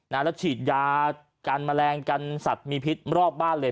แล้วฉีดยากันแมลงกันสัตว์มีพิษรอบบ้านเลย